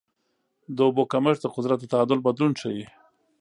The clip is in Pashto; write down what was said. د اوبو کمښت د قدرت د تعادل بدلون ښيي.